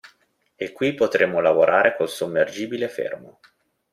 E qui potremo lavorare col sommergibile fermo.